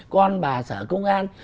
con bà sở công an